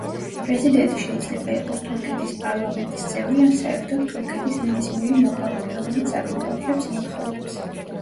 პრეზიდენტი შეიძლება იყოს თურქეთის პარლამენტის წევრი ან საერთოდ თურქეთის ნებისმიერი მოქალაქე, რომელიც აკმაყოფილებს მოთხოვნებს.